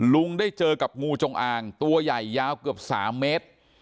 ลุงได้เจอกับงูจงอางตัวใหญ่ยาวเกือบ๓เมตร